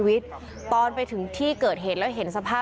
พวกมันต้องกินกันพี่